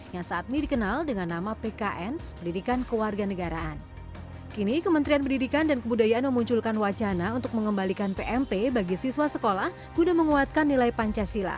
yang saat ini dikenal dengan nama pkn pendidikan keluarga negaraan